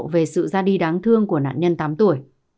về sự ra đi đáng thương của nạn nhân tám tuổi